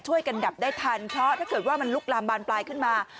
ดับได้ทันเพราะถ้าเกิดว่ามันลุกลามบานปลายขึ้นมา